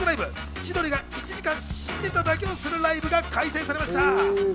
「千鳥が１時間新ネタだけをするＬＩＶＥ」が開催されました。